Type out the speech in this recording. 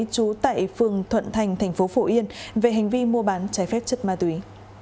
trú tại phường thuận thành thành phố phổ yên về hành vi mua bán trái phép chất ma túy